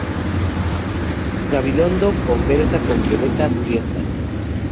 Gabilondo conversa con Violeta Friedman.